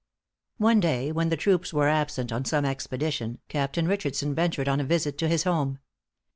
One day, when the troops were absent on some expedition, Captain Richardson ventured on a visit to his home.